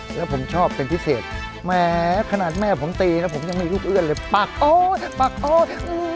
แล้วผมชอบเป็นพิเศษแหมขนาดแม่ผมตีแล้วผมยังมีลูกเอื้อนเลยปักโอ๊ตปักโอ๊ต